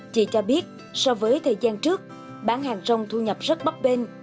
chị cho biết so với thời gian trước bán hàng rong thu nhập rất bắp bên